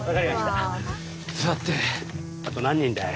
さてあと何人だい？